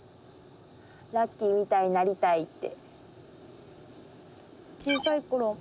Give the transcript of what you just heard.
ラッキーみたいになりたいって。